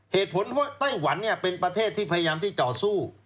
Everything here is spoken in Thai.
เหตุผลเพราะว่าไต้หวันเนี่ยเป็นประเทศที่พยายามที่ต่อสู้